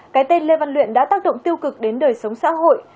cái tên lê văn luyện đã tác động tiêu cực đến đời sống xã hội